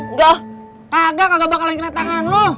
enggak kagak kagak bakalan kena tangan lu